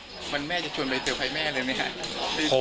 วันแม่จะชวนไปเจอใครแม่เลยไหมครับ